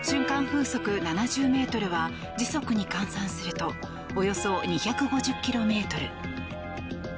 風速７０メートルは時速に換算するとおよそ２５０キロメートル。